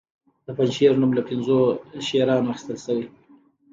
د پنجشیر نوم له پنځو شیرانو اخیستل شوی